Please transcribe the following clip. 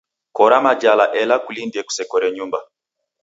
Kora majala, ela kulindie kusekore nyumba